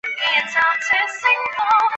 圣昂德雷德瓦尔博尔尼。